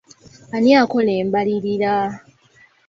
Ani akola embalirira?